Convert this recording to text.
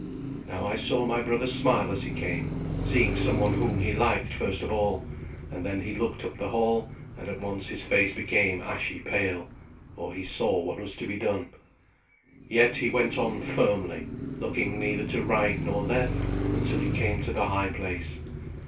Now I saw my brother smile as he came, seeing someone whom he liked first of all; and then he looked up the hall, and at once his face became ashy pale, for he saw what was to be done. Yet he went on firmly, looking neither to right nor left, until he came to the high place.